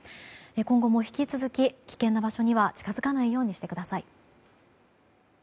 今後も引き続き、危険な場所には近づかないようにしてください。